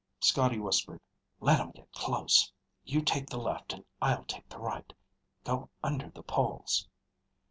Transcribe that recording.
Scotty whispered, "Let 'em get close. You take the left and I'll take the right. Go under the poles."